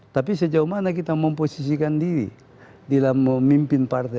tapi sejauh mana kita memposisikan diri dalam memimpin partai